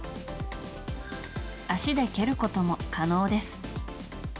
足で蹴ることも可能です。